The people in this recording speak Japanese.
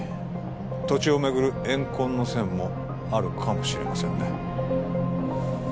土地をめぐる怨恨の線もあるかもしれませんね